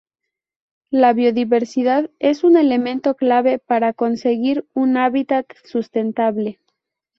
La biodiversidad es un elemento clave para conseguir un hábitat sustentable.